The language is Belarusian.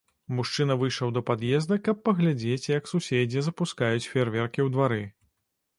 Мужчына выйшаў да пад'езда, каб паглядзець, як суседзі запускаюць феерверкі ў двары.